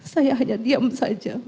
saya hanya diam saja